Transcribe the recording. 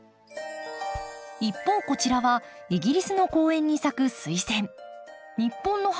一方こちらはイギリスの公園に咲くスイセン。